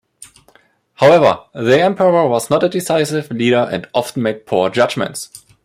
However, the emperor was not a decisive leader and often made poor judgments.